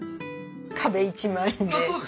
壁一枚で。